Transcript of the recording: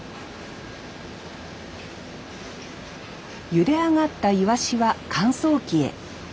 ゆで上がったイワシは乾燥機へ。